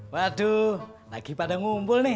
waduh lagi pada ngumpul nih